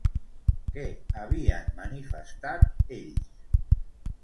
Què havien manifestat, ells?